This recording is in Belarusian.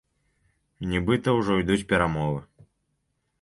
Нібыта, ужо ідуць перамовы.